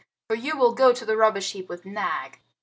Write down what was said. For you will go to the rubbish heap with Nag.